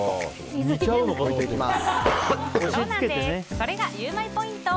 それがゆウマいポイント。